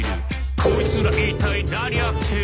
「コイツら一体何やってる？」